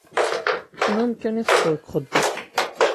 Anwa amkan i teṭṭfeḍ deg uxeddim?